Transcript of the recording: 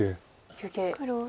休憩。